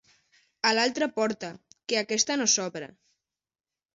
A l'altra porta, que aquesta no s'obre.